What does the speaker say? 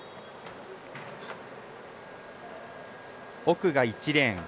奥が１レーン。